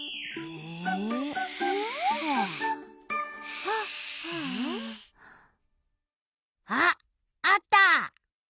あっあった！